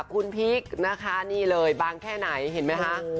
คุณพีคนะคะนี่เลยบางแค่ไหนเห็นไหมคะ